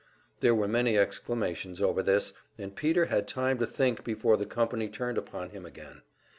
There were many exclamations over this, and Peter had time to think before the company turned upon him again.